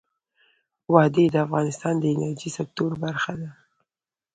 وادي د افغانستان د انرژۍ سکتور برخه ده.